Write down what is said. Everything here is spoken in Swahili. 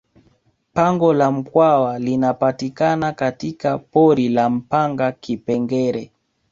pango la mkwawa linapatikana katika pori la mpanga kipengere